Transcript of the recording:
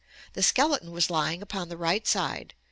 The skeleton was lying upon the right side.